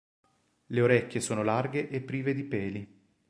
Le orecchie sono larghe e prive di peli.